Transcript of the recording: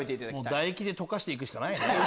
唾液で溶かしてくしかない。